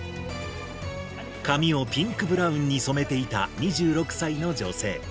髪をピンクブラウンに染めていた２６歳の女性。